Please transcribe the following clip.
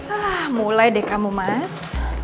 setelah mulai deh kamu mas